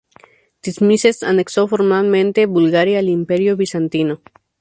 Tzimisces anexó formalmente Bulgaria al Imperio bizantino.